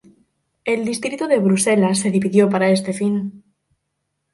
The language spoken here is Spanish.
El distrito de Bruselas se dividió para este fin.